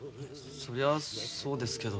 そりゃそうですけど。